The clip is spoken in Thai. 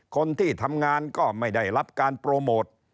คนที่ทำงานก็ไม่ได้รับการโปรโมท